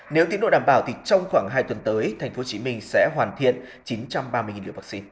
nếu tiến độ đảm bảo thì trong khoảng hai tuần tới tp hcm sẽ hoàn thiện chín trăm ba mươi liều vaccine